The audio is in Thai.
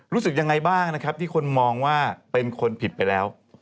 รู้สึกยังไงบ้างนะครับที่คนมองว่าเป็นคนผิดไปแล้ว